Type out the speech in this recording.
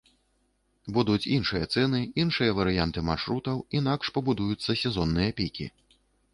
Будуць іншыя цэны, іншыя варыянты маршрутаў, інакш пабудуюцца сезонныя пікі.